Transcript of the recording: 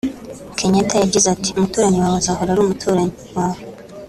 Kenyatta yagize ati “Umuturanyi wawe azahora ari umuturanyi wawe